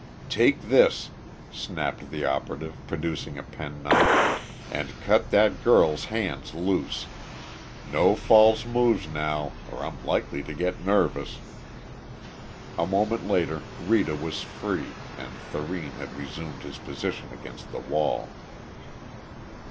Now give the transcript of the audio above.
"Take this," snapped the operative, producing a penknife, "and cut that girl's hands loose! No false moves now or I'm likely to get nervous!" A moment later Rita was free and Thurene had resumed his position against the wall.